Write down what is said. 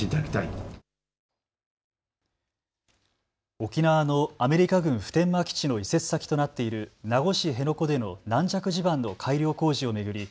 沖縄のアメリカ軍普天間基地の移設先となっている名護市辺野古での軟弱地盤の改良工事を巡り